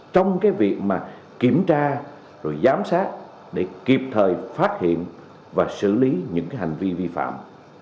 trong cái việc mà kiểm tra rồi giám sát để kịp thời phát hiện và xử lý những cái hành vi vi phạm